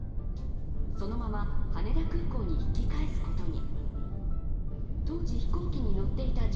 そのまま羽田空港に引き返すことに。